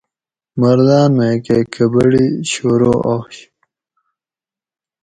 مردان میکہ کبڑی شروع آش